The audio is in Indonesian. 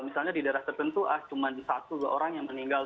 misalnya di daerah tertentu cuma satu dua orang yang meninggal